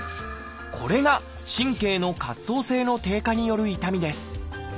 これが神経の滑走性の低下による痛みです。